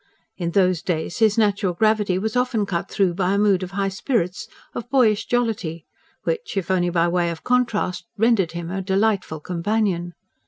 In those days his natural gravity was often cut through by a mood of high spirits, of boyish jollity, which, if only by way of contrast, rendered him a delightful companion.